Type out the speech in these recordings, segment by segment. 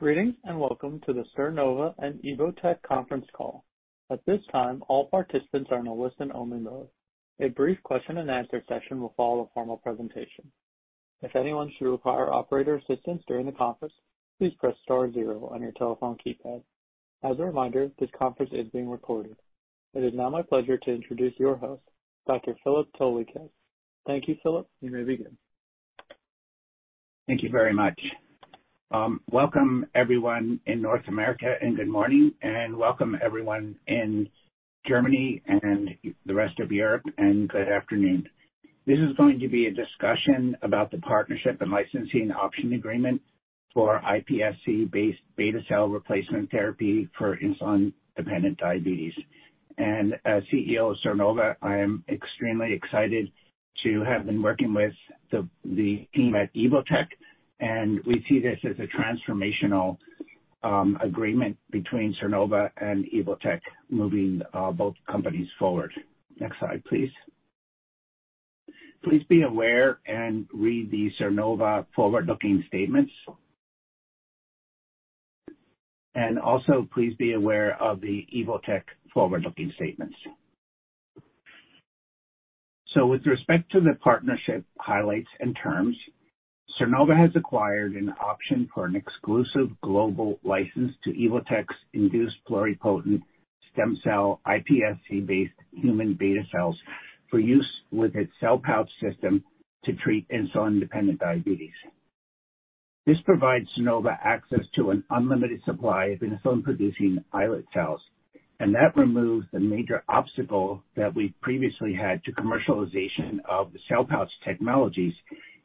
Greetings, and welcome to the Sernova and Evotec conference call. At this time all participants are in a listen-only mode. A brief question-and-answer session will follow the formal presentation. If anyone should require operator assistance during the conference, please press star zero on your telephone keypad. As a reminder, this conference is being recorded. It is now my pleasure to introduce your host, Dr. Philip Toleikis. Thank you, Philip. You may begin. Thank you very much. Welcome everyone in North America, and good morning, and welcome everyone in Germany and in the rest of Europe, and good afternoon. This is going to be a discussion about the partnership and licensing option agreement for iPSC-based beta cell replacement therapy for insulin-dependent diabetes. As CEO of Sernova, I am extremely excited to have been working with the team at Evotec, and we see this as a transformational agreement between Sernova and Evotec, moving both companies forward. Next slide, please. Please be aware and read the Sernova forward-looking statements. Also please be aware of the Evotec forward-looking statements. With respect to the partnership highlights and terms, Sernova has acquired an option for an exclusive global license to Evotec's induced pluripotent stem cell iPSC-based human beta cells for use with its Cell Pouch system to treat insulin-dependent diabetes. This provides Sernova access to an unlimited supply of insulin-producing islet cells, and that removes the major obstacle that we previously had to commercialization of the Cell Pouch technologies,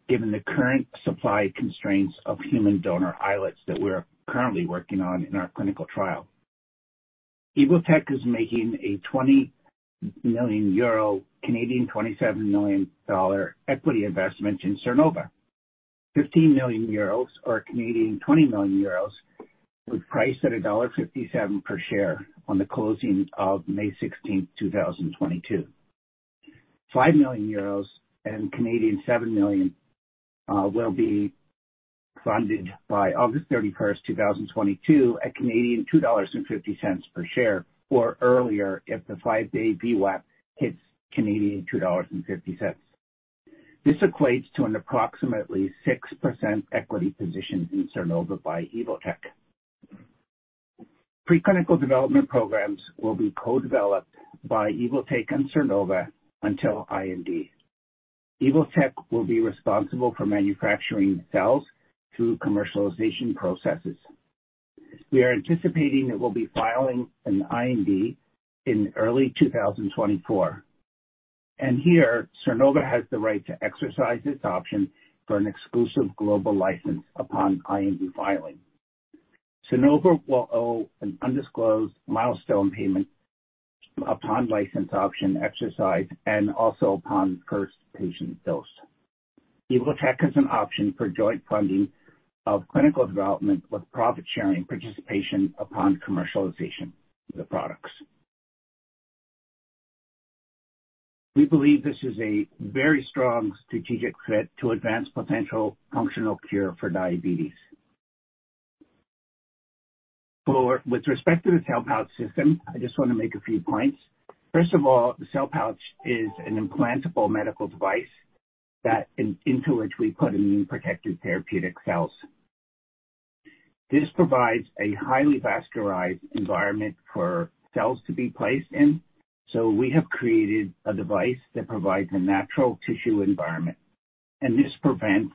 given the current supply constraints of human donor islets that we're currently working on in our clinical trial. Evotec is making a 20 million euro, 27 million Canadian dollars equity investment in Sernova. 15 million euros or CAD 20 million was priced at CAD 1.57 per share on the closing of May 16, 2022. 5 million euros and 7 million will be funded by August 31st, 2022 at 2.50 Canadian dollars per share or earlier if the five-day VWAP hits 2.50 Canadian dollars. This equates to an approximately 6% equity position in Sernova by Evotec. Preclinical development programs will be co-developed by Evotec and Sernova until IND. Evotec will be responsible for manufacturing cells through commercialization processes. We are anticipating that we'll be filing an IND in early 2024. Here, Sernova has the right to exercise its option for an exclusive global license upon IND filing. Sernova will owe an undisclosed milestone payment upon license option exercise and also upon first patient dose. Evotec has an option for joint funding of clinical development with profit-sharing participation upon commercialization of the products. We believe this is a very strong strategic fit to advance potential functional cure for diabetes. With respect to the Cell Pouch system, I just want to make a few points. First of all, the Cell Pouch is an implantable medical device into which we put immune-protected therapeutic cells. This provides a highly vascularized environment for cells to be placed in. We have created a device that provides a natural tissue environment, and this prevents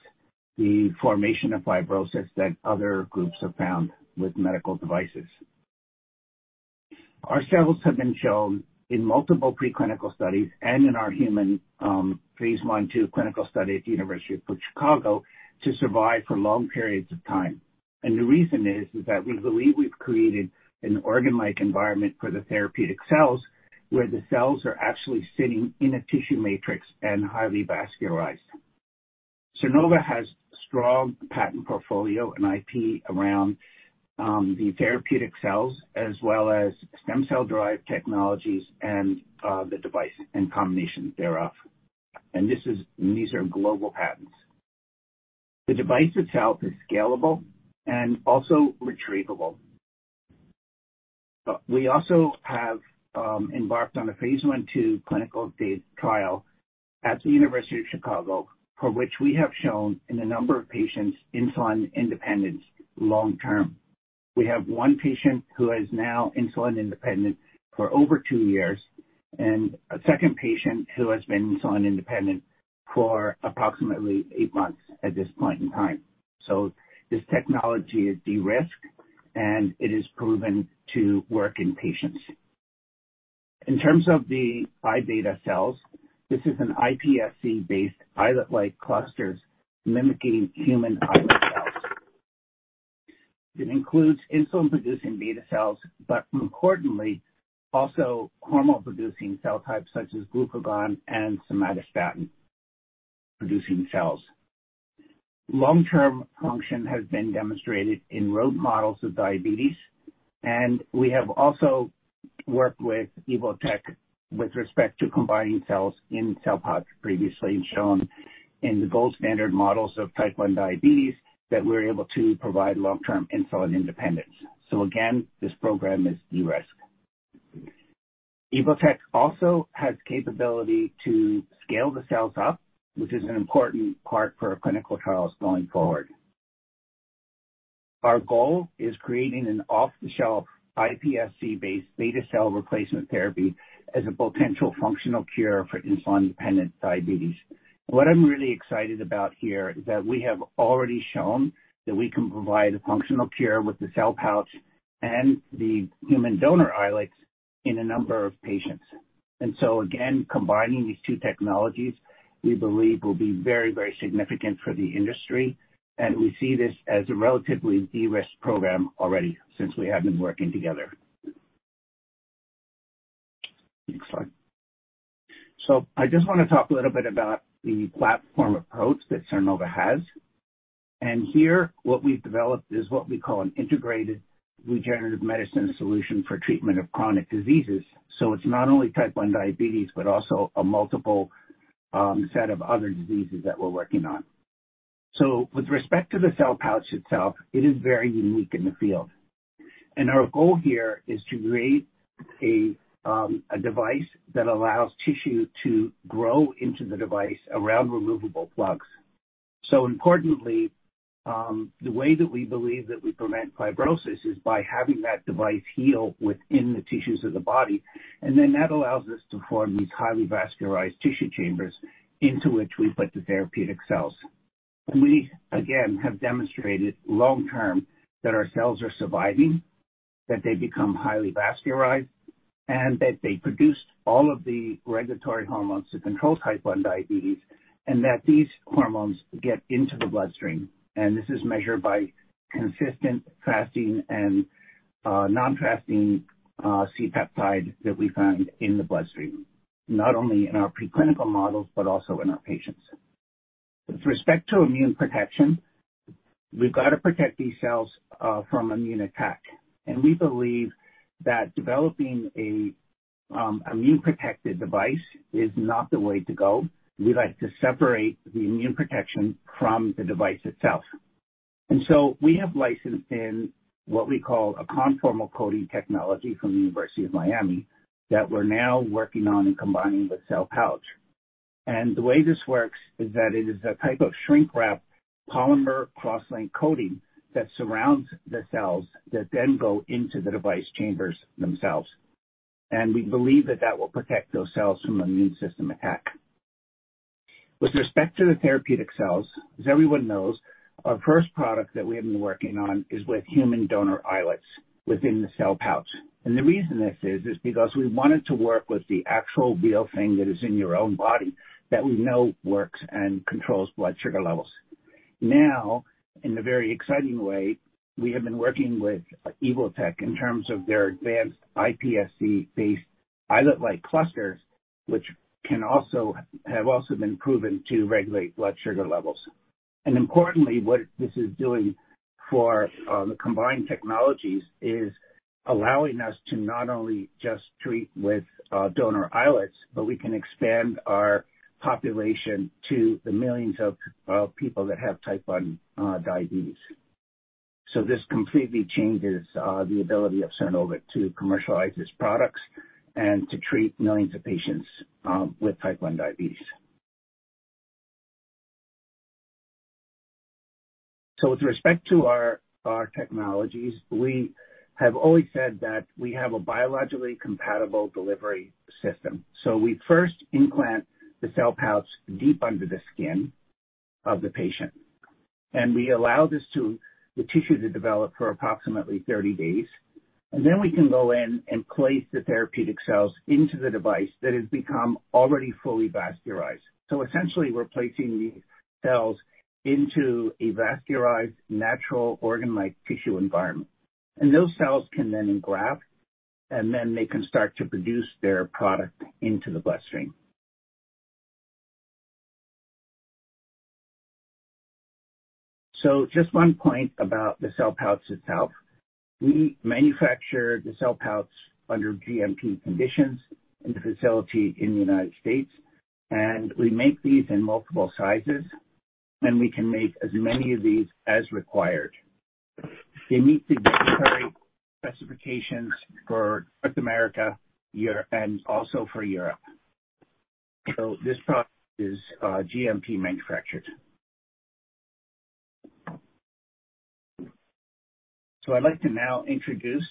the formation of fibrosis that other groups have found with medical devices. Our cells have been shown in multiple preclinical studies and in our human phase I/II clinical study at the University of Chicago, to survive for long periods of time. The reason is that we believe we've created an organ-like environment for the therapeutic cells, where the cells are actually sitting in a tissue matrix and highly vascularized. Sernova has strong patent portfolio and IP around the therapeutic cells as well as stem cell-derived technologies and the device and combination thereof. These are global patents. The device itself is scalable and also retrievable. We also have embarked on a phase I/II clinical trial at the University of Chicago, for which we have shown in a number of patients insulin independence long term. We have one patient who is now insulin independent for over two years and a second patient who has been insulin independent for approximately eight months at this point in time. This technology is de-risked, and it is proven to work in patients. In terms of the iBeta cells, this is an iPSC-based islet-like clusters mimicking human islet cells. It includes insulin-producing beta cells, but more importantly, also hormone-producing cell types such as glucagon and somatostatin-producing cells. Long-term function has been demonstrated in rodent models of diabetes, and we have also worked with Evotec with respect to combining cells in Cell Pouch previously shown in the gold standard models of type 1 diabetes that we're able to provide long-term insulin independence. Again, this program is de-risked. Evotec also has capability to scale the cells up, which is an important part for our clinical trials going forward. Our goal is creating an off-the-shelf iPSC-based beta cell replacement therapy as a potential functional cure for insulin-dependent diabetes. What I'm really excited about here is that we have already shown that we can provide a functional cure with the Cell Pouch and the human donor islets in a number of patients. Again, combining these two technologies, we believe will be very, very significant for the industry, and we see this as a relatively de-risk program already since we have been working together. Next slide. I just want to talk a little bit about the platform approach that Sernova has. Here what we've developed is what we call an integrated regenerative medicine solution for treatment of chronic diseases. It's not only type 1 diabetes, but also a multiple set of other diseases that we're working on. With respect to the Cell Pouch itself, it is very unique in the field. Our goal here is to create a device that allows tissue to grow into the device around removable plugs. Importantly, the way that we believe that we prevent fibrosis is by having that device heal within the tissues of the body, and then that allows us to form these highly vascularized tissue chambers into which we put the therapeutic cells. We again have demonstrated long-term that our cells are surviving, that they become highly vascularized, and that they produce all of the regulatory hormones to control type 1 diabetes, and that these hormones get into the bloodstream. This is measured by consistent fasting and non-fasting C-peptide that we find in the bloodstream, not only in our preclinical models, but also in our patients. With respect to immune protection, we've got to protect these cells from immune attack, and we believe that developing a immune-protected device is not the way to go. We like to separate the immune protection from the device itself. We have licensed in what we call a conformal coating technology from the University of Miami that we're now working on and combining with Cell Pouch. The way this works is that it is a type of shrink wrap polymer cross-link coating that surrounds the cells that then go into the device chambers themselves. We believe that that will protect those cells from immune system attack. With respect to the therapeutic cells, as everyone knows, our first product that we have been working on is with human donor islets within the Cell Pouch. The reason this is because we wanted to work with the actual real thing that is in your own body that we know works and controls blood sugar levels. Now, in a very exciting way, we have been working with Evotec in terms of their advanced iPSC-based islet-like clusters, which have also been proven to regulate blood sugar levels. Importantly, what this is doing for the combined technologies is allowing us to not only just treat with donor islets, but we can expand our population to the millions of people that have type 1 diabetes. This completely changes the ability of Sernova to commercialize its products and to treat millions of patients with type 1 diabetes. With respect to our technologies, we have always said that we have a biologically compatible delivery system. We first implant the Cell Pouch deep under the skin of the patient, and we allow the tissue to develop for approximately 30 days. We can go in and place the therapeutic cells into the device that has become already fully vascularized. Essentially, we're placing these cells into a vascularized natural organ-like tissue environment. Those cells can then engraft, and then they can start to produce their product into the bloodstream. Just one point about the Cell Pouch itself. We manufacture the Cell Pouch under GMP conditions in a facility in the United States, and we make these in multiple sizes, and we can make as many of these as required. They meet the regulatory specifications for North America and also for Europe. This product is GMP manufactured. I'd like to now introduce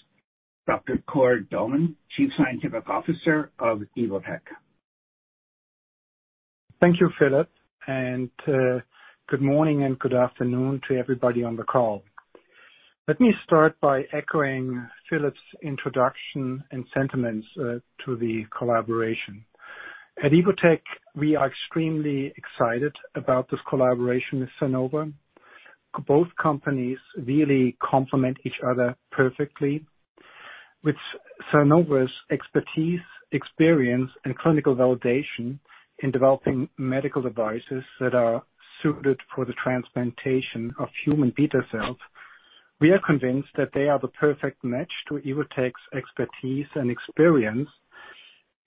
Dr. Cord Dohrmann, Chief Scientific Officer of Evotec. Thank you, Philip, and good morning and good afternoon to everybody on the call. Let me start by echoing Philip's introduction and sentiments to the collaboration. At Evotec, we are extremely excited about this collaboration with Sernova. Both companies really complement each other perfectly. With Sernova's expertise, experience, and clinical validation in developing medical devices that are suited for the transplantation of human beta cells. We are convinced that they are the perfect match to Evotec's expertise and experience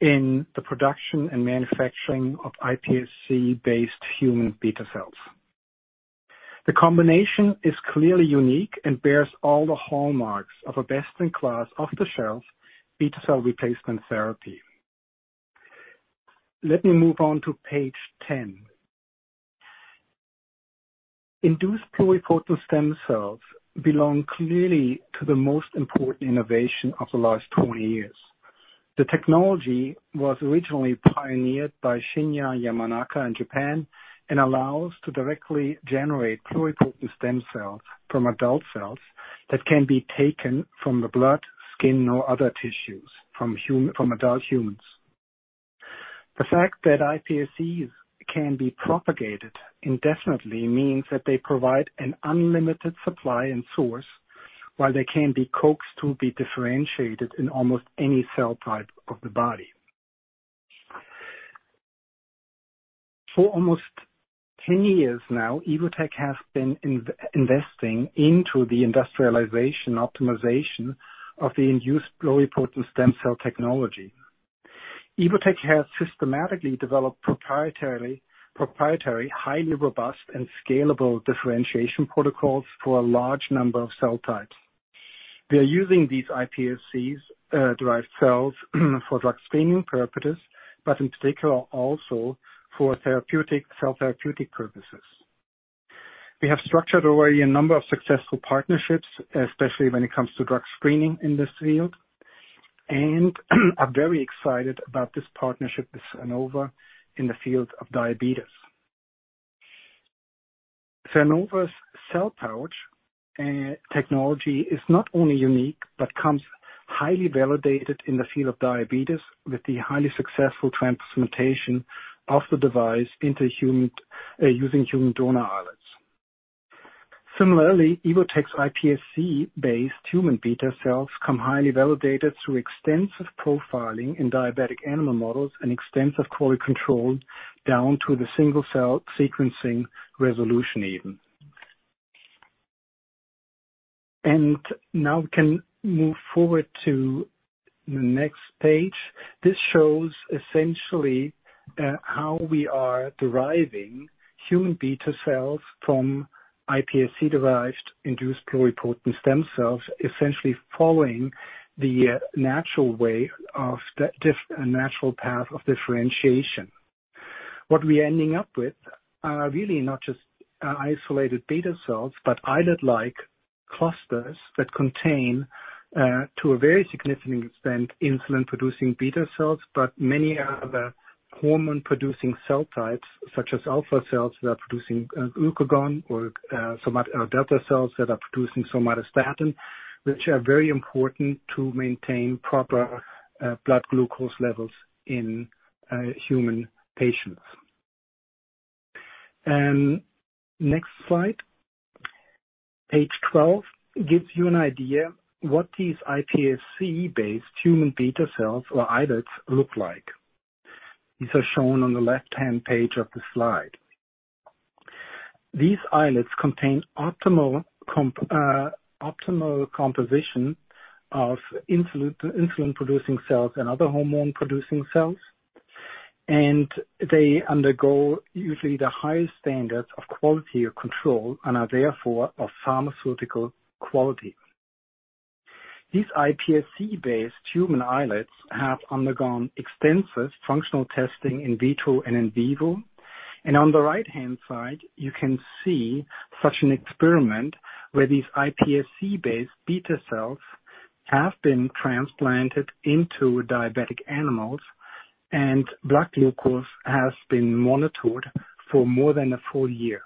in the production and manufacturing of iPSC-based human beta cells. The combination is clearly unique and bears all the hallmarks of a best-in-class, off-the-shelf beta cell replacement therapy. Let me move on to page 10. Induced pluripotent stem cells belong clearly to the most important innovation of the last 20 years. The technology was originally pioneered by Shinya Yamanaka in Japan and allows to directly generate pluripotent stem cells from adult cells that can be taken from the blood, skin or other tissues from adult humans. The fact that iPSCs can be propagated indefinitely means that they provide an unlimited supply and source, while they can be coaxed to be differentiated in almost any cell type of the body. For almost 10 years now, Evotec has been investing into the industrialization optimization of the induced pluripotent stem cell technology. Evotec has systematically developed proprietary, highly robust and scalable differentiation protocols for a large number of cell types. We are using these iPSCs, derived cells for drug screening purposes, but in particular also for cell therapeutic purposes. We have structured already a number of successful partnerships, especially when it comes to drug screening in this field, and are very excited about this partnership with Sernova in the field of diabetes. Sernova's Cell Pouch technology is not only unique, but comes highly validated in the field of diabetes with the highly successful transplantation of the device into human using human donor islets. Similarly, Evotec's iPSC-based human beta cells come highly validated through extensive profiling in diabetic animal models and extensive quality control, down to the single cell sequencing resolution even. Now we can move forward to the next page. This shows essentially how we are deriving human beta cells from iPSC-derived induced pluripotent stem cells, essentially following the natural path of differentiation. What we're ending up with are really not just isolated beta cells, but islet-like clusters that contain, to a very significant extent, insulin-producing beta cells, but many other hormone-producing cell types, such as alpha cells that are producing glucagon or, delta cells that are producing somatostatin, which are very important to maintain proper blood glucose levels in human patients. Next slide. Page 12 gives you an idea what these iPSC-based human beta cells or islets look like. These are shown on the left-hand page of the slide. These islets contain optimal composition of insulin-producing cells and other hormone-producing cells, and they undergo usually the highest standards of quality control and are therefore of pharmaceutical quality. These iPSC-based human islets have undergone extensive functional testing in vitro and in vivo. On the right-hand side, you can see such an experiment where these iPSC-based beta cells have been transplanted into diabetic animals, and blood glucose has been monitored for more than a full year.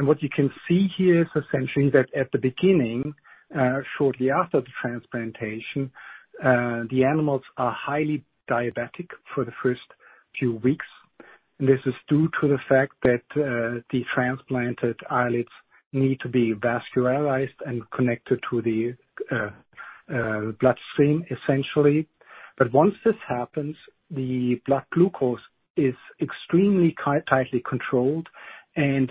What you can see here is essentially that at the beginning, shortly after the transplantation, the animals are highly diabetic for the first few weeks. This is due to the fact that, the transplanted islets need to be vascularized and connected to the bloodstream, essentially. Once this happens, the blood glucose is extremely tightly controlled and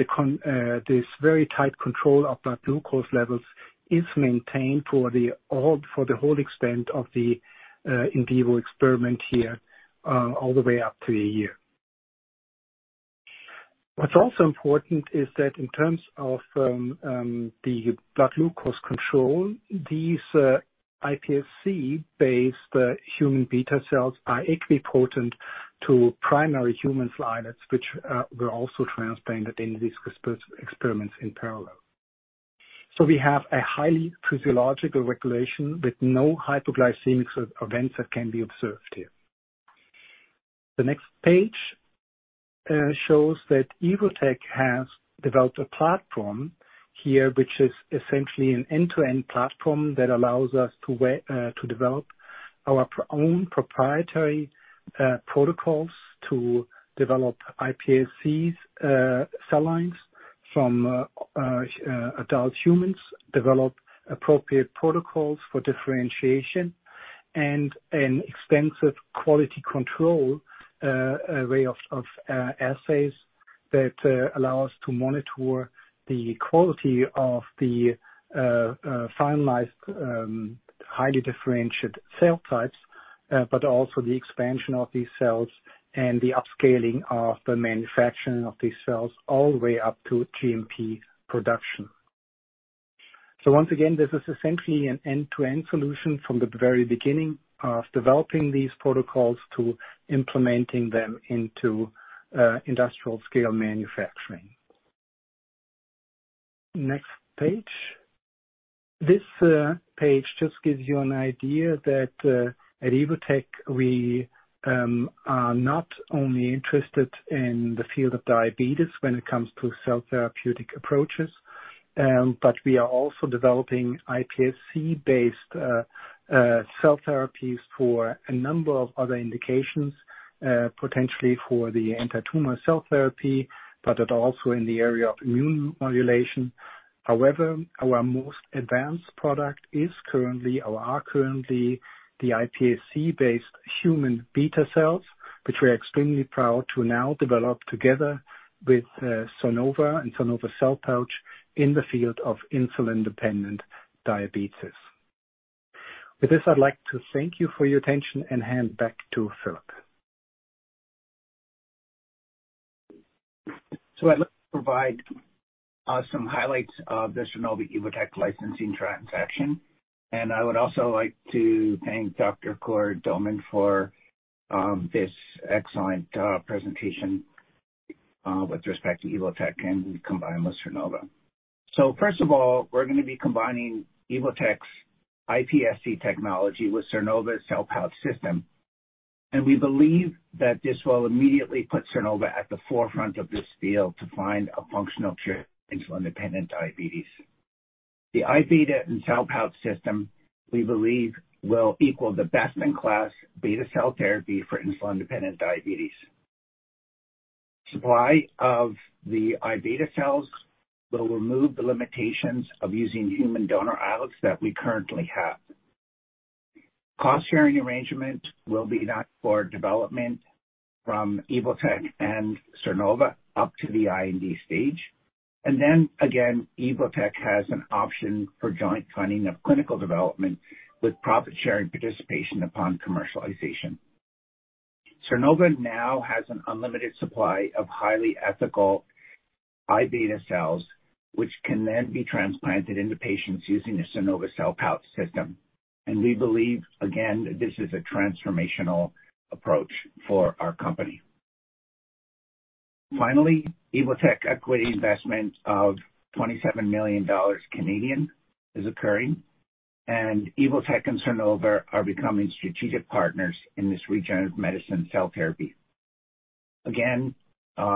this very tight control of blood glucose levels is maintained for the whole extent of the in-vivo experiment here, all the way up to a year. What's also important is that in terms of the blood glucose control, these iPSC-based human beta cells are equipotent to primary human islets, which were also transplanted in these experiments in parallel. We have a highly physiological regulation with no hypoglycemic events that can be observed here. The next page shows that Evotec has developed a platform here, which is essentially an end-to-end platform that allows us to develop our own proprietary protocols to develop iPSCs cell lines from adult humans, develop appropriate protocols for differentiation, and an extensive quality control array of assays that allow us to monitor the quality of the finalized highly differentiated cell types, but also the expansion of these cells and the upscaling of the manufacturing of these cells all the way up to GMP production. Once again, this is essentially an end-to-end solution from the very beginning of developing these protocols to implementing them into industrial scale manufacturing. Next page. This page just gives you an idea that at Evotec we are not only interested in the field of diabetes when it comes to cell therapeutic approaches, but we are also developing iPSC-based cell therapies for a number of other indications, potentially for the antitumor cell therapy, but also in the area of immune modulation. However, our most advanced product is currently or are currently the iPSC-based human beta cells, which we're extremely proud to now develop together with Sernova and Sernova Cell Pouch in the field of insulin-dependent diabetes. With this, I'd like to thank you for your attention and hand back to Philip. I'd like to provide some highlights of the Sernova-Evotec licensing transaction. I would also like to thank Dr. Cord Dohrmann for this excellent presentation with respect to Evotec and combined with Sernova. First of all, we're gonna be combining Evotec's iPSC technology with Sernova's Cell Pouch system. We believe that this will immediately put Sernova at the forefront of this field to find a functional cure insulin-dependent diabetes. The iBeta and Cell Pouch system, we believe will equal the best in class beta cell therapy for insulin-dependent diabetes. Supply of the iBeta cells will remove the limitations of using human donor islets that we currently have. Cost sharing arrangement will be done for development from Evotec and Sernova up to the IND stage. Then again, Evotec has an option for joint funding of clinical development with profit sharing participation upon commercialization. Sernova now has an unlimited supply of highly ethical iPSC-based beta cells, which can then be transplanted into patients using the Sernova Cell Pouch system. We believe, again, this is a transformational approach for our company. Finally, Evotec equity investment of 27 million Canadian dollars is occurring, and Evotec and Sernova are becoming strategic partners in this regenerative medicine cell therapy. Again,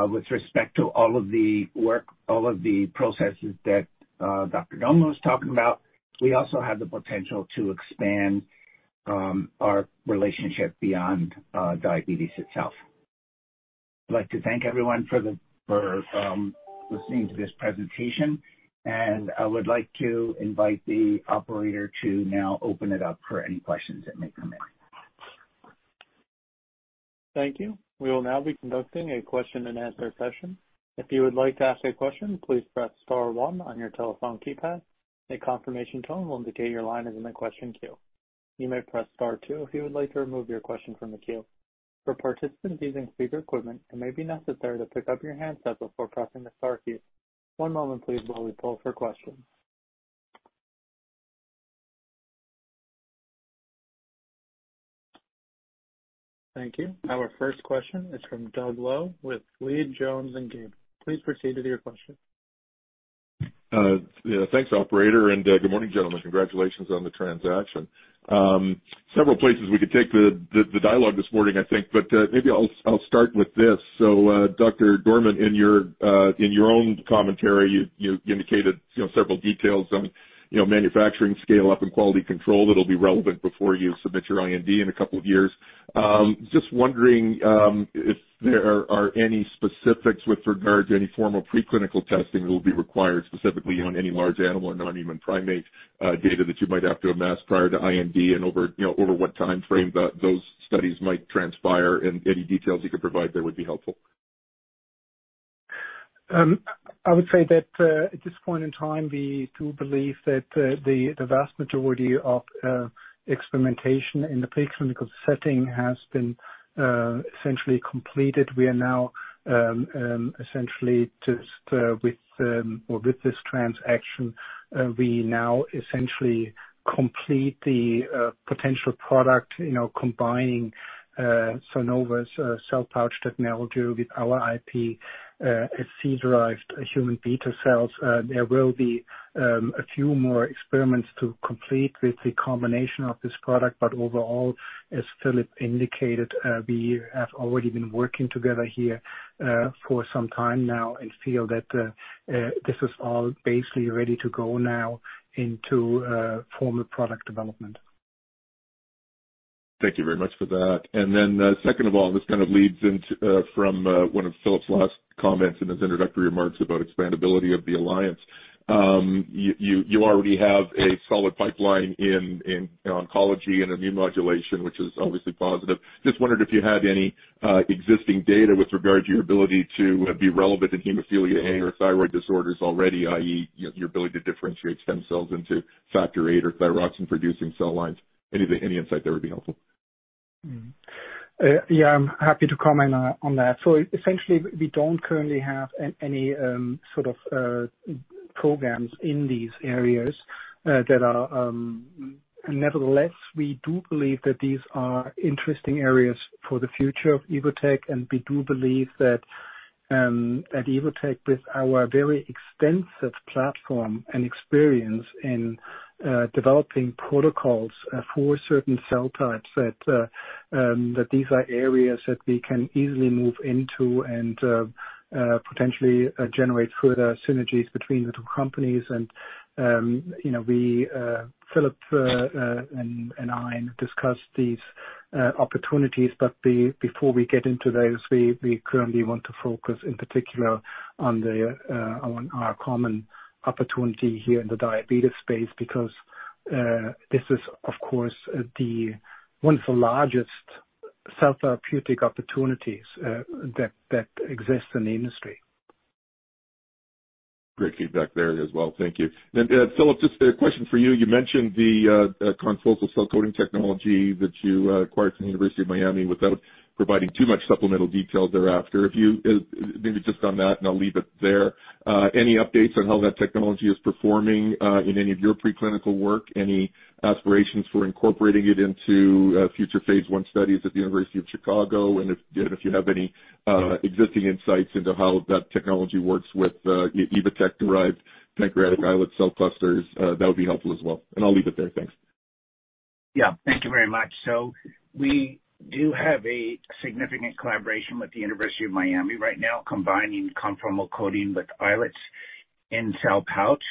with respect to all of the work, all of the processes that Dr. Dohrmann was talking about, we also have the potential to expand our relationship beyond diabetes itself. I'd like to thank everyone for listening to this presentation, and I would like to invite the operator to now open it up for any questions that may come in. Thank you. We will now be conducting a question-and-answer session. If you would like to ask a question, please press star one on your telephone keypad. A confirmation tone will indicate your line is in the question queue. You may press star two if you would like to remove your question from the queue. For participants using speaker equipment, it may be necessary to pick up your handset before pressing the star key. One moment please while we pull for questions. Thank you. Our first question is from Doug Loe with Leede Jones Gable. Please proceed with your question. Yeah, thanks operator, and good morning, gentlemen. Congratulations on the transaction. Several places we could take the dialogue this morning, I think. Maybe I'll start with this. Dr. Dohrmann, in your own commentary, you indicated, you know, several details on, you know, manufacturing scale up and quality control that'll be relevant before you submit your IND in a couple of years. Just wondering, if there are any specifics with regard to any form of preclinical testing that will be required specifically on any large animal or non-human primate data that you might have to amass prior to IND and over, you know, over what timeframe that those studies might transpire and any details you could provide there would be helpful. I would say that at this point in time, we do believe that the vast majority of experimentation in the preclinical setting has been essentially completed. With this transaction, we now essentially complete the potential product, you know, combining Sernova's Cell Pouch technology with our IP, iPSC-derived human beta cells. There will be a few more experiments to complete with the combination of this product, but overall, as Philip indicated, we have already been working together here for some time now and feel that this is all basically ready to go now into formal product development. Thank you very much for that. Then, second of all, this kind of leads into from one of Philip's last comments in his introductory remarks about expandability of the alliance. You already have a solid pipeline in oncology and immune modulation, which is obviously positive. Just wondered if you had any existing data with regard to your ability to be relevant in hemophilia A or thyroid disorders already, i.e., your ability to differentiate stem cells into Factor VIII or thyroxine-producing cell lines. Any insight there would be helpful. Yeah, I'm happy to comment on that. Essentially, we don't currently have any sort of programs in these areas that are. Nevertheless, we do believe that these are interesting areas for the future of Evotec. We do believe that at Evotec, with our very extensive platform and experience in developing protocols for certain cell types that these are areas that we can easily move into and potentially generate further synergies between the two companies. You know, we, Philip, and I discuss these opportunities. Before we get into those, we currently want to focus in particular on our common opportunity here in the diabetes space, because this is of course the one of the largest cell therapeutic opportunities that exists in the industry. Great feedback there as well. Thank you. Philip, just a question for you. You mentioned the conformal coating technology that you acquired from the University of Miami without providing too much supplemental detail thereafter. If you maybe just on that, I'll leave it there. Any updates on how that technology is performing in any of your preclinical work? Any aspirations for incorporating it into future phase 1 studies at the University of Chicago? If you have any existing insights into how that technology works with Evotec-derived islet-like clusters, that would be helpful as well. I'll leave it there. Thanks. Yeah. Thank you very much. We do have a significant collaboration with the University of Miami right now, combining conformal coating with islets in Cell Pouch.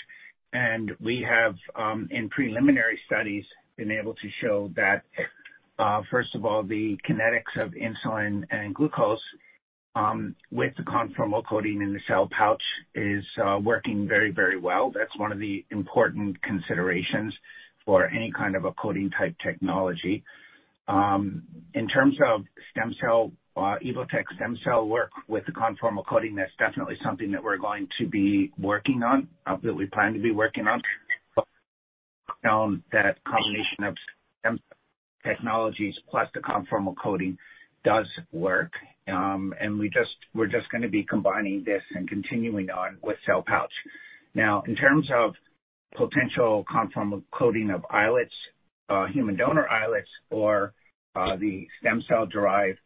We have, in preliminary studies, been able to show that, first of all, the kinetics of insulin and glucose, with the conformal coating in the Cell Pouch is, working very, very well. That's one of the important considerations for any kind of a coating-type technology. In terms of stem cell, Evotec stem cell work with the conformal coating, that's definitely something that we're going to be working on, that we plan to be working on. That combination of stem technologies plus the conformal coating does work. We're just gonna be combining this and continuing on with Cell Pouch. Now, in terms of potential conformal coating of islets, human donor islets or the stem cell-derived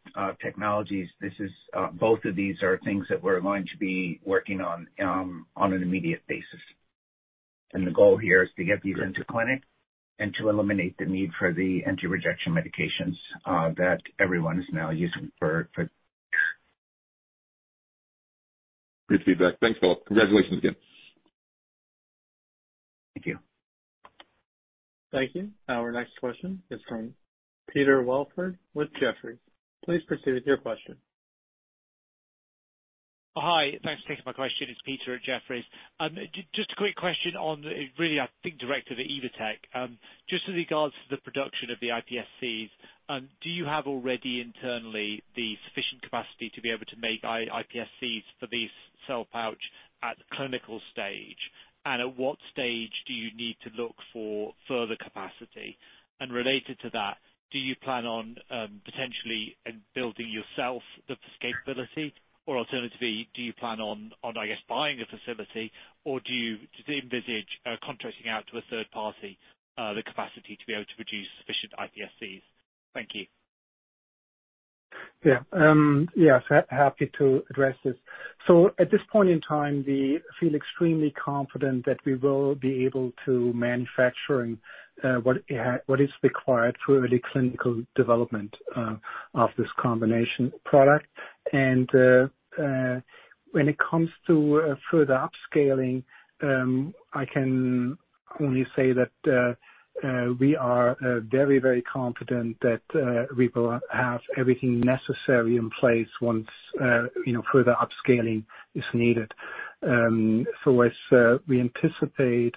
technologies, this is both of these are things that we're going to be working on an immediate basis. The goal here is to get these into clinic and to eliminate the need for the anti-rejection medications that everyone is now using. Great feedback. Thanks, Philip. Congratulations again. Thank you. Thank you. Our next question is from Peter Welford with Jefferies. Please proceed with your question. Hi. Thanks for taking my question. It's Peter at Jefferies. Just a quick question on really, I think, directed at Evotec. Just with regards to the production of the iPSCs, do you have already internally the sufficient capacity to be able to make iPSCs for these Cell Pouch at the clinical stage? And at what stage do you need to look for further capacity? And related to that, do you plan on potentially building yourself the scalability, or alternatively, do you plan on, I guess, buying a facility, or do you envisage contracting out to a third party the capacity to be able to produce sufficient iPSCs? Thank you. Yes, happy to address this. At this point in time, we feel extremely confident that we will be able to manufacture and what is required for the clinical development of this combination product. When it comes to further upscaling, I can only say that we are very confident that we will have everything necessary in place once you know further upscaling is needed. As we anticipate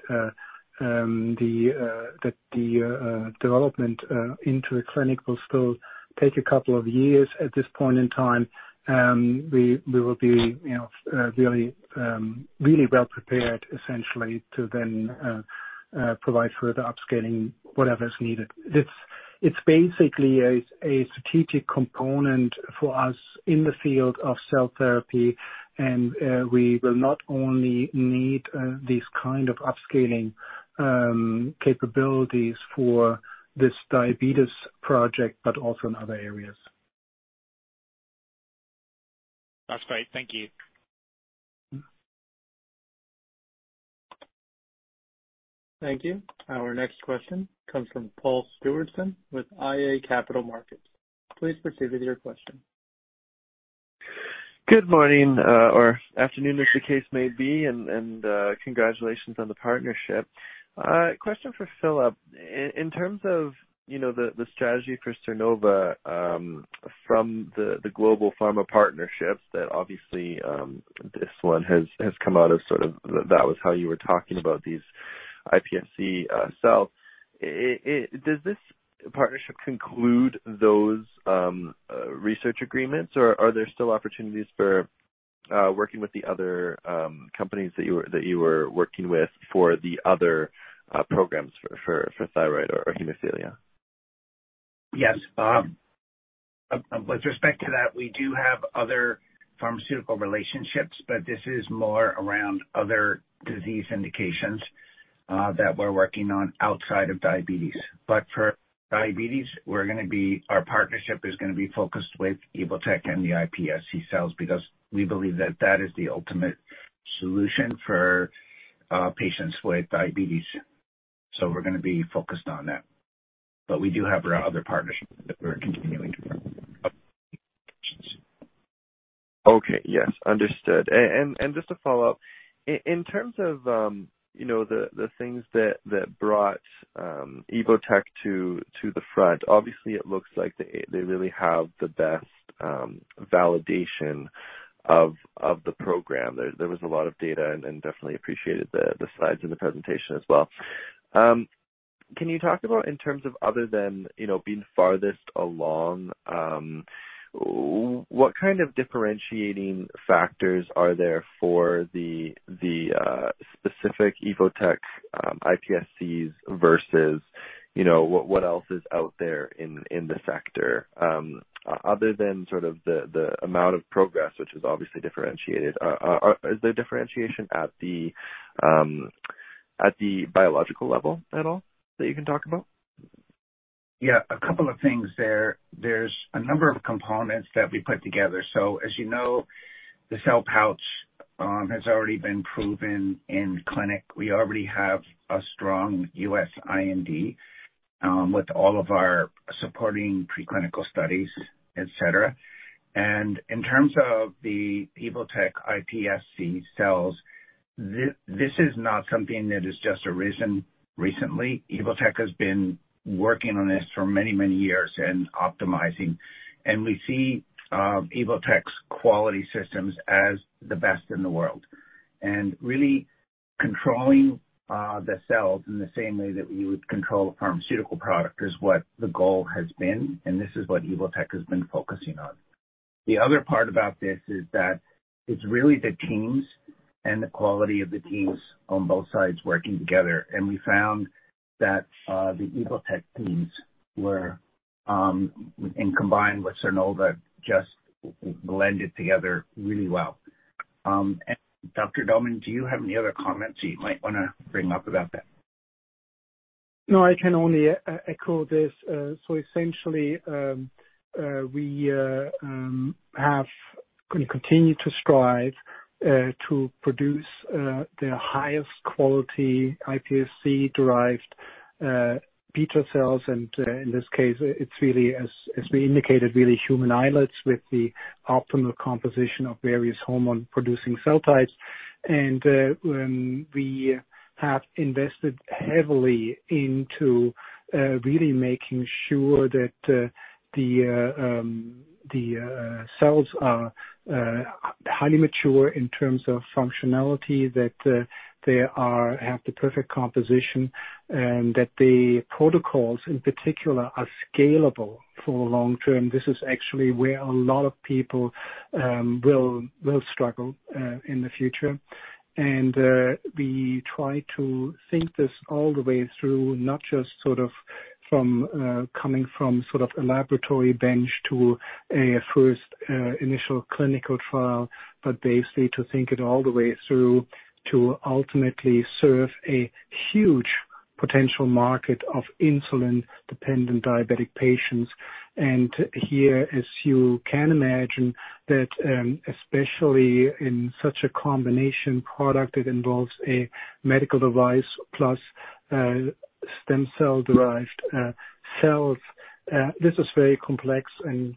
that the development into the clinic will still take a couple of years at this point in time, we will be you know really well prepared essentially to then provide further upscaling, whatever is needed. This, it's basically a strategic component for us in the field of cell therapy. We will not only need these kind of upscaling capabilities for this diabetes project, but also in other areas. That's great. Thank you. Mm-hmm. Thank you. Our next question comes from Paul Stewardson with iA Capital Markets. Please proceed with your question. Good morning or afternoon, as the case may be, and congratulations on the partnership. Question for Philip. In terms of, you know, the strategy for Sernova, from the global pharma partnerships that obviously this one has come out of sort of that was how you were talking about these iPSC cells. Does this partnership conclude those research agreements or are there still opportunities for working with the other companies that you were working with for the other programs for thyroid or hemophilia? Yes. With respect to that, we do have other pharmaceutical relationships, but this is more around other disease indications that we're working on outside of diabetes. For diabetes, our partnership is gonna be focused with Evotec and the iPSC cells because we believe that that is the ultimate solution for patients with diabetes. We're gonna be focused on that, but we do have our other partnerships that we're continuing to work on. Okay. Yes, understood. Just to follow up, in terms of, you know, the things that brought Evotec to the front. Obviously, it looks like they really have the best validation of the program. There was a lot of data and definitely appreciated the slides in the presentation as well. Can you talk about in terms of other than, you know, being farthest along, what kind of differentiating factors are there for the specific Evotec iPSCs versus, you know, what else is out there in the sector? Other than sort of the amount of progress, which is obviously differentiated, is there differentiation at the biological level at all that you can talk about? Yeah, a couple of things there. There's a number of components that we put together. As you know, the Cell Pouch has already been proven in clinic. We already have a strong U.S. IND with all of our supporting preclinical studies, et cetera. In terms of the Evotec iPSC cells, this is not something that has just arisen recently. Evotec has been working on this for many, many years and optimizing, and we see Evotec's quality systems as the best in the world. Really controlling the cells in the same way that we would control a pharmaceutical product is what the goal has been, and this is what Evotec has been focusing on. The other part about this is that it's really the teams and the quality of the teams on both sides working together, and we found that the Evotec teams were and combined with Sernova, just blended together really well. Dr. Dohrmann, do you have any other comments that you might wanna bring up about that? No, I can only echo this. Essentially, we're gonna continue to strive to produce the highest quality iPSC-derived beta cells. In this case, it's really, as we indicated, really human islets with the optimal composition of various hormone-producing cell types. We have invested heavily into really making sure that the cells are highly mature in terms of functionality, that they have the perfect composition, and that the protocols, in particular, are scalable for the long term. This is actually where a lot of people will struggle in the future. We try to think this all the way through, not just sort of from coming from sort of a laboratory bench to a first initial clinical trial, but basically to think it all the way through to ultimately serve a huge potential market of insulin-dependent diabetic patients. Here, as you can imagine, that especially in such a combination product, it involves a medical device plus stem cell-derived cells. This is very complex and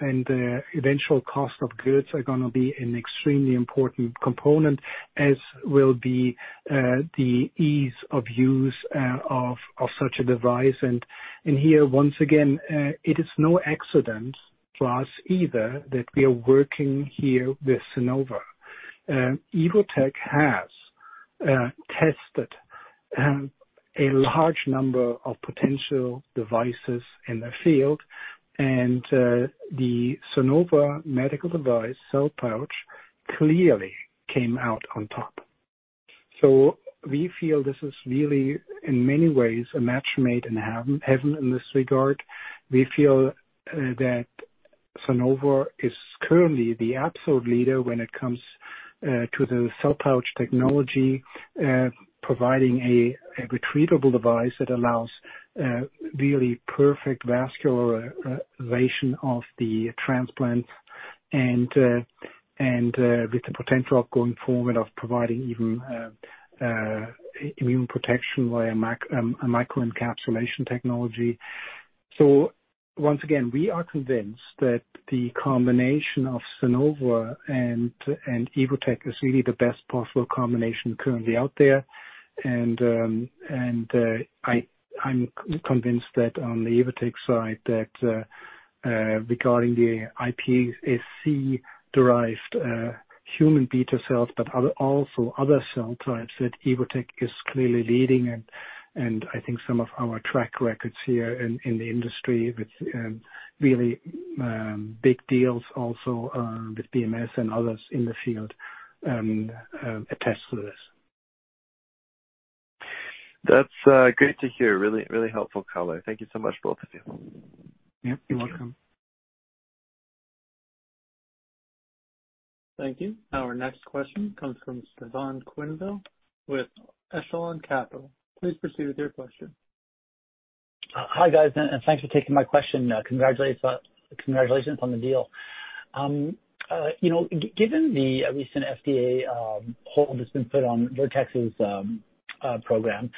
the eventual cost of goods are gonna be an extremely important component, as will be the ease of use of such a device. Here, once again, it is no accident for us either that we are working here with Sernova. Evotec has tested a large number of potential devices in the field, and the Sernova medical device Cell Pouch clearly came out on top. We feel this is really, in many ways, a match made in heaven in this regard. We feel that Sernova is currently the absolute leader when it comes to the Cell Pouch technology, providing a retrievable device that allows really perfect vascularization of the transplant and with the potential of going forward of providing even immune protection via a microencapsulation technology. Once again, we are convinced that the combination of Sernova and Evotec is really the best possible combination currently out there. I'm convinced that on the Evotec side that regarding the iPSC derived human beta cells, but also other cell types, that Evotec is clearly leading. I think some of our track records here in the industry with really big deals also with BMS and others in the field attest to this. That's great to hear. Really, really helpful color. Thank you so much, both of you. Yep, you're welcome. Thank you. Our next question comes from Stefan Quenneville with Echelon Wealth Partners. Please proceed with your question. Hi, guys, and thanks for taking my question. Congratulations on the deal. You know, given the recent FDA hold that's been put on Vertex's program,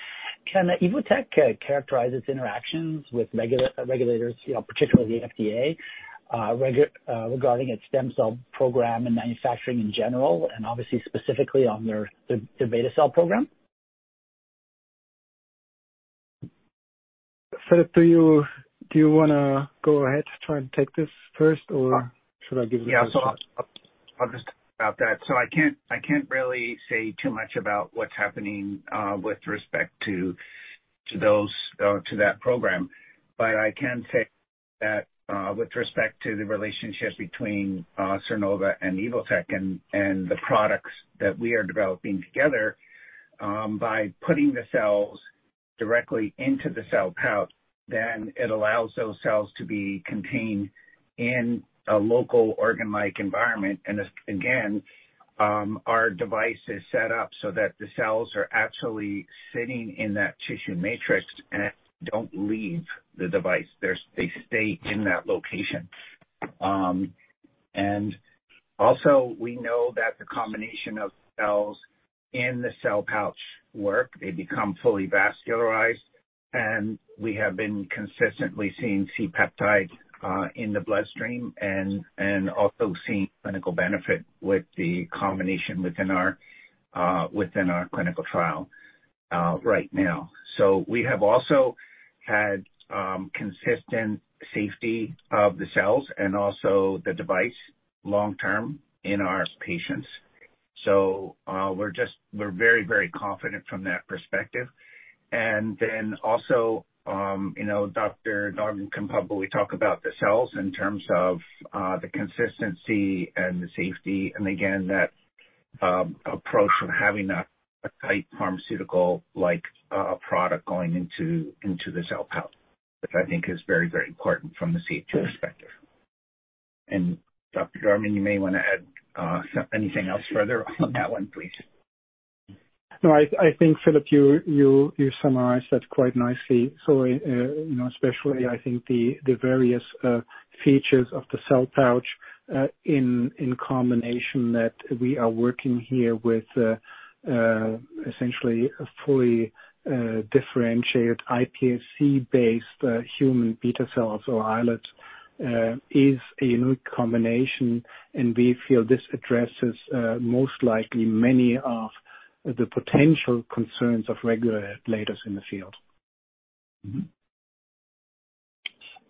can Evotec characterize its interactions with regulators, you know, particularly the FDA, regarding its stem cell program and manufacturing in general, and obviously specifically on their, the beta cell program? Philip, do you wanna go ahead to try and take this first, or should I give it a shot? Yeah. I'll just about that. I can't really say too much about what's happening with respect to that program. But I can say that with respect to the relationship between Sernova and Evotec and the products that we are developing together, by putting the cells directly into the Cell Pouch, then it allows those cells to be contained in a local organ-like environment. Again, our device is set up so that the cells are actually sitting in that tissue matrix and don't leave the device. They stay in that location. And also we know that the combination of cells in the Cell Pouch work, they become fully vascularized. We have been consistently seeing C-peptide in the bloodstream and also seeing clinical benefit with the combination within our clinical trial right now. We have also had consistent safety of the cells and also the device long term in our patients. We're very confident from that perspective. Then also you know Dr. Dohrmann can probably talk about the cells in terms of the consistency and the safety, and again that approach of having a tight pharmaceutical like product going into the Cell Pouch, which I think is very important from the safety perspective. Dr. Dohrmann, you may want to add anything else further on that one, please. No, I think, Philip, you summarized that quite nicely. You know, especially I think the various features of the Cell Pouch in combination that we are working here with essentially a fully differentiated iPSC-based human beta cells or islets is a new combination, and we feel this addresses most likely many of the potential concerns of regulators in the field. Mm-hmm.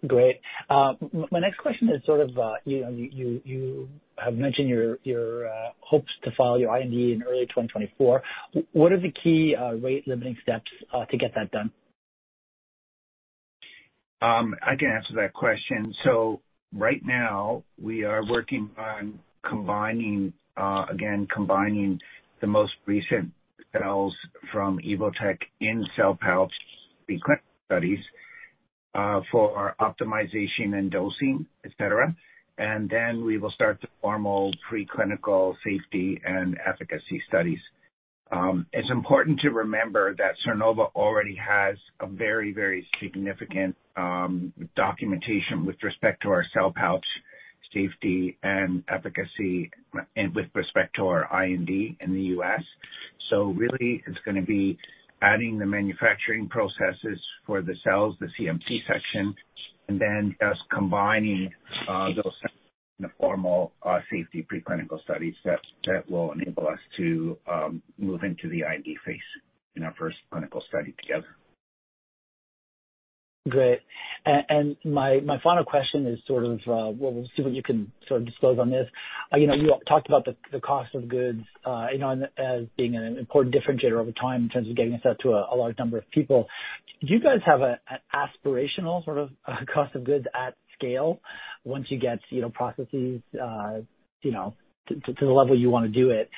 Great. My next question is sort of, you know, you have mentioned your hopes to file your IND in early 2024. What are the key rate limiting steps to get that done? I can answer that question. Right now, we are working on combining again the most recent cells from Evotec in Cell Pouch clinical studies for optimization and dosing, et cetera. Then we will start the formal pre-clinical safety and efficacy studies. It's important to remember that Sernova already has a very, very significant documentation with respect to our Cell Pouch safety and efficacy and with respect to our IND in the U.S. Really, it's going to be adding the manufacturing processes for the cells, the CMC section, and then just combining those in the formal safety pre-clinical studies that will enable us to move into the IND phase in our first clinical study together. Great. My final question is sort of, well, we'll see what you can sort of disclose on this. You know, you talked about the cost of goods, you know, as being an important differentiator over time in terms of getting this out to a large number of people. Do you guys have an aspirational sort of cost of goods at scale once you get, you know, processes, you know, to the level you want to do it,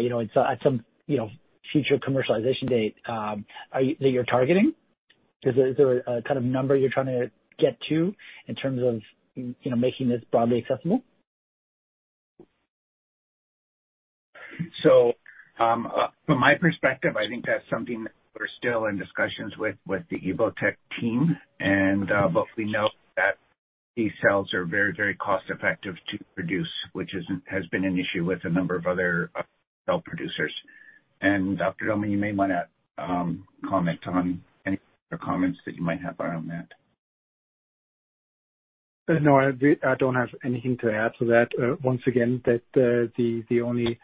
you know, at some, you know, future commercialization date that you're targeting? Is there a kind of number you're trying to get to in terms of, you know, making this broadly accessible? From my perspective, I think that's something that we're still in discussions with the Evotec team. These cells are very, very cost effective to produce, which hasn't been an issue with a number of other cell producers. Dr. Dohrmann, you may wanna comment on any other comments that you might have around that. No, I don't have anything to add to that. Once again, the only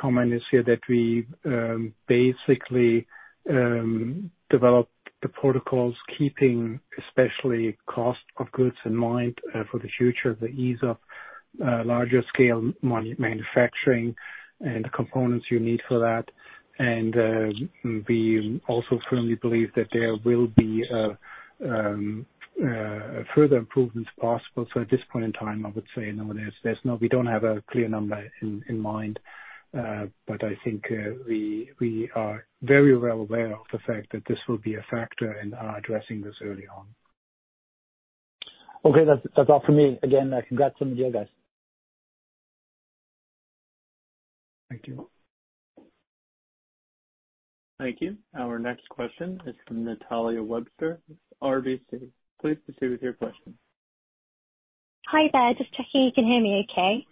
comment is here that we basically developed the protocols keeping especially cost of goods in mind, for the future, the ease of larger scale manufacturing and the components you need for that. We also firmly believe that there will be further improvements possible. At this point in time, I would say no, we don't have a clear number in mind, but I think we are very well aware of the fact that this will be a factor in our addressing this early on. Okay. That's all for me. Again, congrats from the other guys. Thank you. Thank you. Our next question is from Natalia Webster with RBC. Please proceed with your question. Hi there. Just checking you can hear me okay.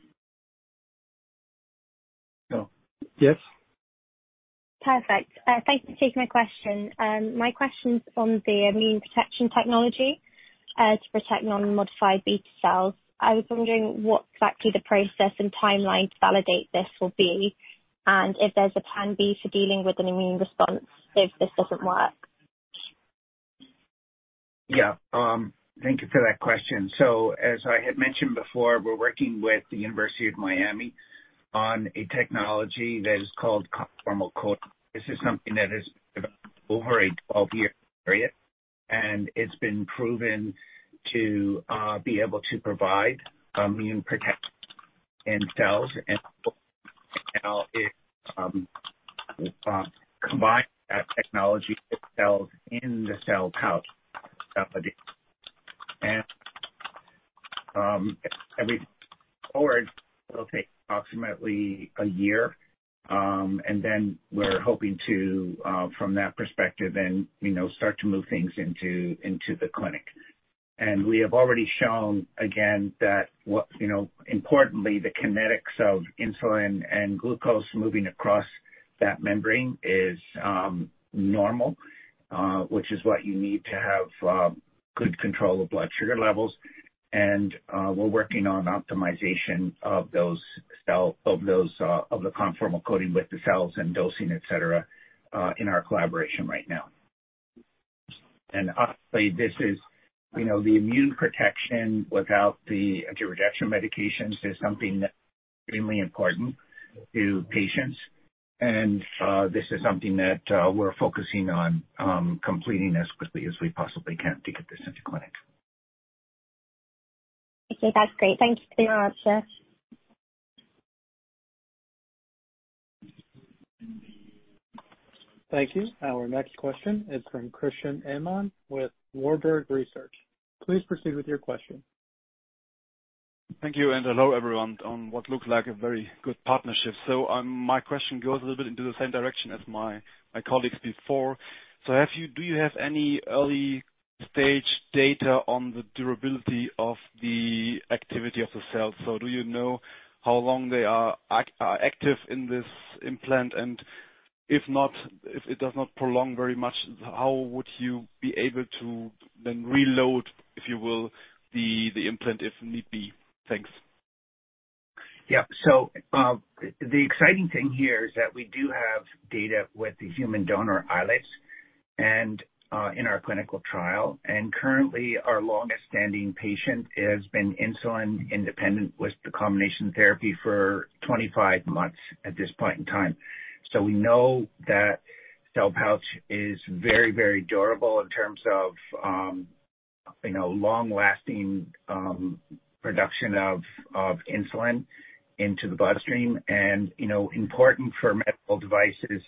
Yeah. Yes. Perfect. Thanks for taking my question. My question's on the immune protection technology to protect non-modified beta cells. I was wondering what exactly the process and timeline to validate this will be, and if there's a plan B for dealing with an immune response if this doesn't work. Yeah. Thank you for that question. As I had mentioned before, we're working with the University of Miami on a technology that is called conformal coating. This is something that is developed over a 12-year period, and it's been proven to be able to provide immune protection in cells, and now it combines that technology with cells in the Cell Pouch study. As we move forward, it'll take approximately a year, and then we're hoping to from that perspective and, you know, start to move things into the clinic. We have already shown again that, you know, importantly, the kinetics of insulin and glucose moving across that membrane is normal, which is what you need to have good control of blood sugar levels. We're working on optimization of the conformal coating with the cells and dosing, et cetera, in our collaboration right now. Honestly, this is, you know, the immune protection without the anti-rejection medications is something extremely important to patients. This is something that we're focusing on completing as quickly as we possibly can to get this into clinic. Okay. That's great. Thank you for your answer. Thank you. Our next question is from Christian Ehmann with Warburg Research. Please proceed with your question. Thank you, and hello everyone on what looks like a very good partnership. My question goes a little bit into the same direction as my colleagues before. Do you have any early stage data on the durability of the activity of the cell? Do you know how long they are active in this implant? If not, if it does not prolong very much, how would you be able to then reload, if you will, the implant if need be? Thanks. Yeah. The exciting thing here is that we do have data with the human donor islets and in our clinical trial. Currently ,our longest standing patient has been insulin-independent with the combination therapy for 25 months at this point in time. We know that Cell Pouch is very, very durable in terms of you know, long lasting production of insulin into the bloodstream. You know, important for medical devices,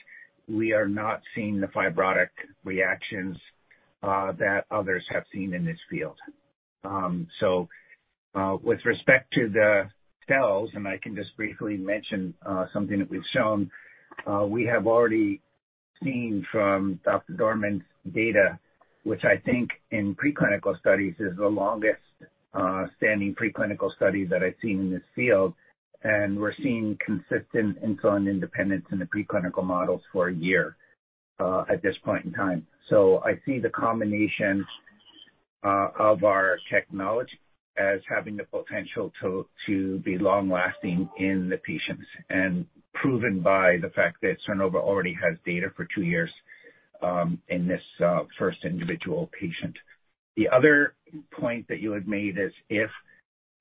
we are not seeing the fibrotic reactions that others have seen in this field. With respect to the cells, and I can just briefly mention something that we've shown, we have already seen from Dr. Dohrmann's data, which I think in preclinical studies is the longest standing preclinical study that I've seen in this field. We're seeing consistent insulin independence in the preclinical models for a year, at this point in time. I see the combination of our technology as having the potential to be long lasting in the patients. Proven by the fact that Sernova already has data for two years, in this first individual patient. The other point that you had made is if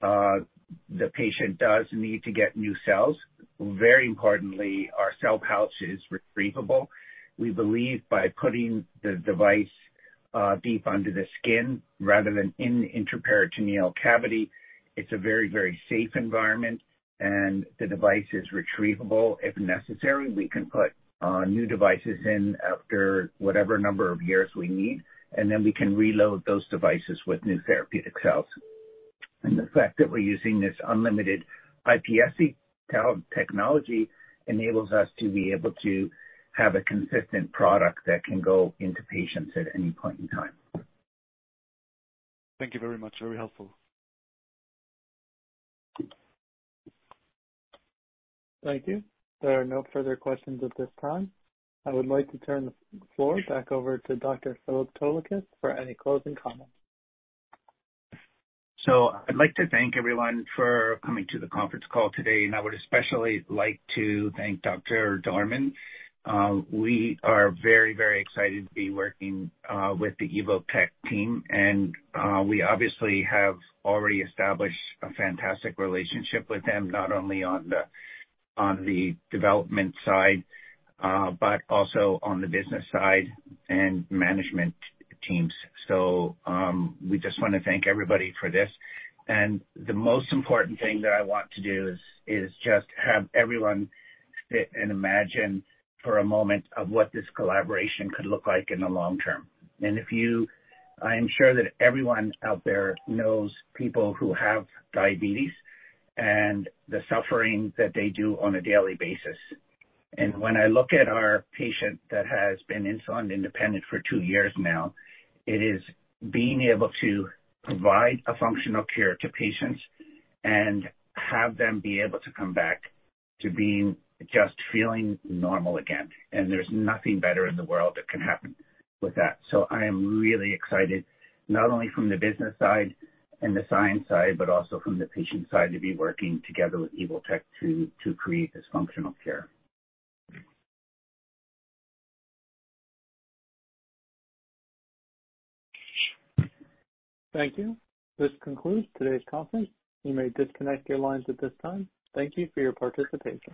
the patient does need to get new cells, very importantly, our Cell Pouch is retrievable. We believe by putting the device deep under the skin rather than in the intraperitoneal cavity, it's a very, very safe environment, and the device is retrievable. If necessary, we can put new devices in after whatever number of years we need, and then we can reload those devices with new therapeutic cells. The fact that we're using this unlimited iPSC cell technology enables us to be able to have a consistent product that can go into patients at any point in time. Thank you very much. Very helpful. Thank you. There are no further questions at this time. I would like to turn the floor back over to Dr. Philip Toleikis for any closing comments. I'd like to thank everyone for coming to the conference call today, and I would especially like to thank Dr. Dohrmann. We are very, very excited to be working with the Evotec team, and we obviously have already established a fantastic relationship with them, not only on the development side, but also on the business side and management teams. We just want to thank everybody for this. The most important thing that I want to do is just have everyone sit and imagine for a moment of what this collaboration could look like in the long term. I am sure that everyone out there knows people who have diabetes and the suffering that they do on a daily basis. When I look at our patient that has been insulin independent for two years now, it is being able to provide a functional cure to patients and have them be able to come back to being, just feeling normal again. There's nothing better in the world that can happen with that. I am really excited, not only from the business side and the science side, but also from the patient side, to be working together with Evotec to create this functional cure. Thank you. This concludes today's conference. You may disconnect your lines at this time. Thank you for your participation.